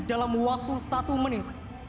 dalam waktu satu menit